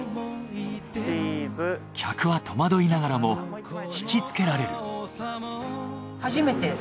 客は戸惑いながらも惹きつけられる。